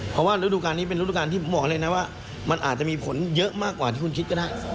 เพราะว่าฤดูการนี้เป็นฤดูการที่ผมบอกเลยนะว่ามันอาจจะมีผลเยอะมากกว่าที่คุณคิดก็ได้